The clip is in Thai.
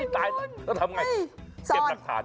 ตายแล้วทำไงเก็บหลักฐาน